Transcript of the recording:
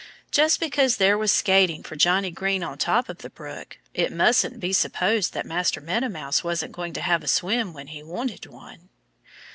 Just because there was skating for Johnnie Green on top of the brook it mustn't be supposed that Master Meadow Mouse wasn't going to have a swim when he wanted one.